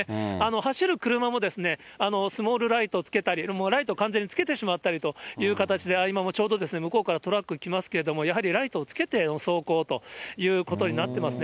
走る車も、スモールライトをつけたり、ライト完全につけてしまったりという形で、今ちょうど向こうからトラック来ますけれども、やはりライトをつけての走行ということになってますね。